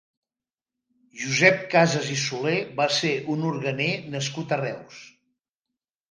Josep Cases i Soler va ser un orguener nascut a Reus.